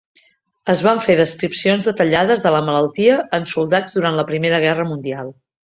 Es van fer descripcions detallades de la malaltia en soldats durant la Primera Guerra Mundial.